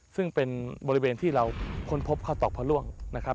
ซึ่งเป็นบริเวณที่เราค้นพบข้าวตอกพระล่วงนะครับ